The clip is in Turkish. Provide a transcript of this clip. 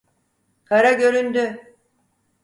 Kara göründü!